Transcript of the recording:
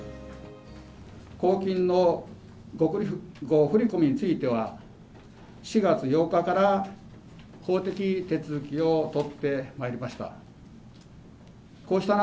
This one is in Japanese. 公金の誤振り込みについては、４月８日から法的手続きを取ってまいりました。